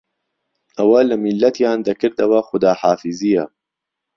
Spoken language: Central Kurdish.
ئەوه له میللهتیان دهکردهوه خودا حافیزییه